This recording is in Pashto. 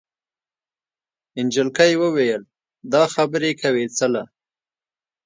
جینۍ وویل دا خبرې کوې څله؟